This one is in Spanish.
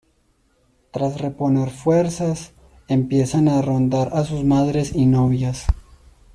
Tras reponer fuerzas, empiezan a rondar a sus madres y novias.